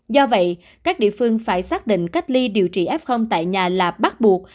do vậy các địa phương phải xác định cách ly điều trị f tại nhà là bắt buộc